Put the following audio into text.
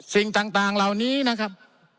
สิ่งต่างเหล่านี้นะครับ